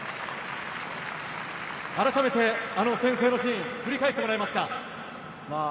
あらためて先制のシーン、振り返ってもらえますか？